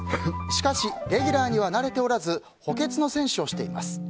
しかしレギュラーにはなれておらず補欠の選手をしています。